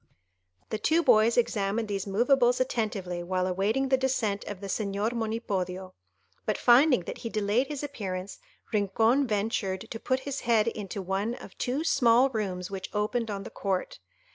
The two boys examined these moveables attentively while awaiting the descent of the Señor Monipodio, but finding that he delayed his appearance, Rincon ventured to put his head into one of two small rooms which opened on the court.